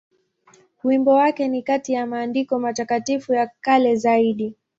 Wimbo wake ni kati ya maandiko matakatifu ya kale zaidi.